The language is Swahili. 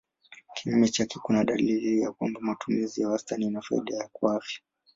Kinyume chake kuna dalili ya kwamba matumizi ya wastani ina faida kwa afya.